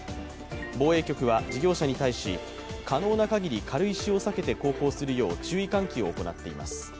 防衛局は事業者に対し、可能なかぎり軽石を避けて航行するよう注意喚起を行っています。